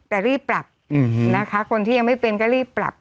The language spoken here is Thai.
แต่รีบปรับนะคะคนที่ยังไม่เป็นก็รีบปรับ